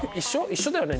一緒だよね？